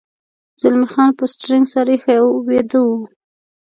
زلمی خان پر سټرینګ سر اېښی و او ویده و.